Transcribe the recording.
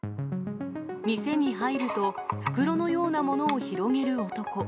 店に入ると、袋のようなものを広げる男。